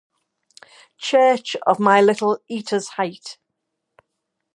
Church of my little Ita's Height.